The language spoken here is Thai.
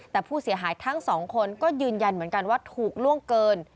แต่ผู้เสียหายทั้งสองคนก็ยืนยันเหมือนกันว่าถูกล่วงเกิน